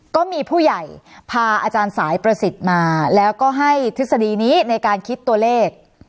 ก็มีผู้ใหญ่พาอาจารย์สายประสิทธิ์มาแล้วก็ให้ทฤษฎีนี้ในการคิดตัวเลข